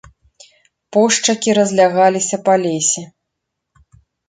Пошчакі разлягаліся па лесе.